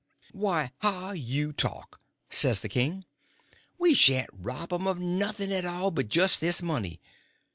"Why, how you talk!" says the king. "We sha'n't rob 'em of nothing at all but jest this money.